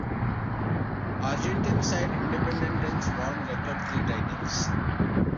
Argentine side Independiente won a record three titles.